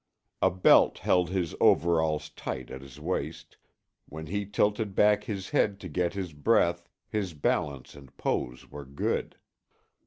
A belt held his overalls tight at his waist; when he tilted back his head to get his breath his balance and pose were good.